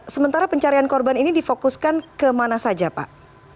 sementara pencarian korban ini difokuskan kemana saja pak